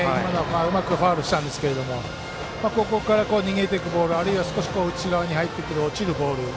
うまくファウルしたんですが逃げていくボール、あるいは内側に入って落ちるボール。